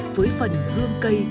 với phần hương cây